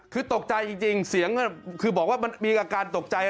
คือตกใจจริงเสียงคือบอกว่ามันมีอาการตกใจ